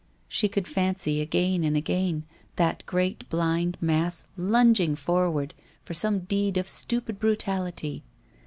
She could fancy, again and again, that great blind mass lunging forward for some deed of stupid brutality.